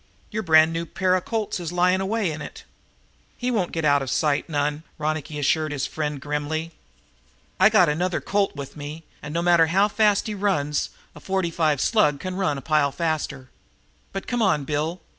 Your brand new pair of Colts is lying away in it!" "He won't get out of sight none," Ronicky assured his friend grimly. "I got another Colt with me, and, no matter how fast he runs, a forty five slug can run a pile faster. But come on, Bill.